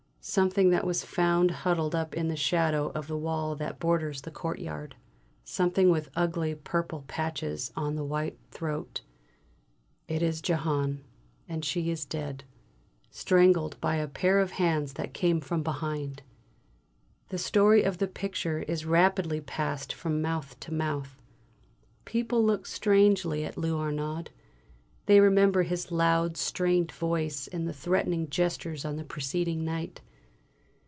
Something that was found huddled up in the shadow of the wall that borders the courtyard. Something with ugly purple patches on the white throat. It is Jehane, and she is dead; strangled by a pair of hands that came from behind. The story of the picture is rapidly passed from mouth to mouth. People look strangely at Lou Arnaud; they remember his loud, strained voice and threatening gestures on the preceding night.